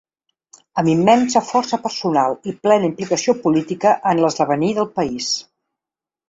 Amb immensa força personal i plena implicació política en l'esdevenir del país.